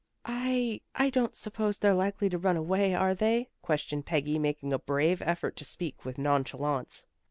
"I I don't suppose they're likely to run away, are they?" questioned Peggy, making a brave effort to speak with nonchalance.